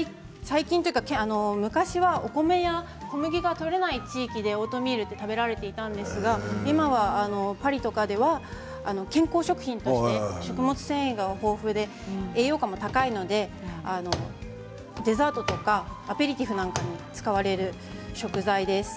そうですね最近というか昔はお米や小麦が取れない地域でオートミールって食べられていたんですが今はパリとかでは健康食品として食物繊維が豊富で栄養価も高いのでデザートとかアペリティフなんかに使われる食材です。